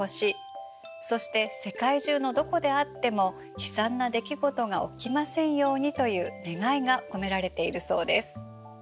そして世界中のどこであっても悲惨な出来事が起きませんようにという願いが込められているそうです。